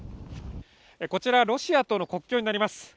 こちらロシアとの国境になります。